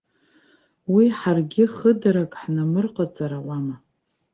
Уи ҳаргьы хыдарак ҳнамырҟаҵар ауама.